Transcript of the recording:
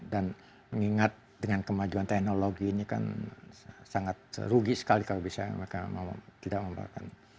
dan mengingat dengan kemajuan teknologi ini kan sangat rugi sekali kalau bisa mereka tidak membahas